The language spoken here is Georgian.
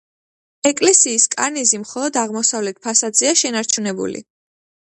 ეკლესიის კარნიზი მხოლოდ აღმოსავლეთ ფასადზეა შენარჩუნებული.